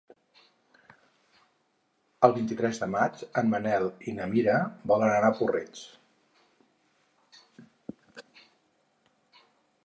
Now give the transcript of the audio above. El vint-i-tres de maig en Manel i na Mira volen anar a Puig-reig.